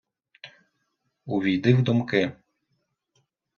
Увійди в думки...